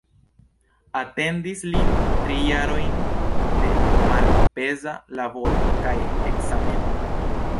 Atendis lin tri jarojn de malpeza laboro kaj ekzamenoj.